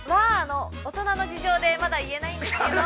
◆は、あの、大人の事情でまだ言えないんですけど。